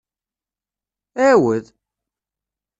Ɛiwed!